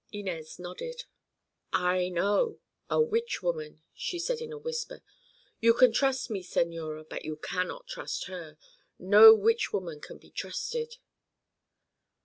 Inez nodded. "I know. A witch woman," she said in a whisper. "You can trust me señora, but you cannot trust her. No witch woman can be trusted."